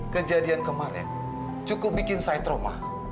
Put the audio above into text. kejadian kemarin cukup bikin saya trauma